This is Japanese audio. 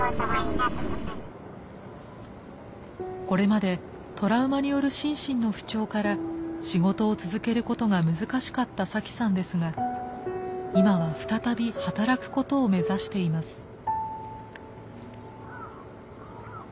これまでトラウマによる心身の不調から仕事を続けることが難しかったサキさんですが今は再び働くことを目指しています。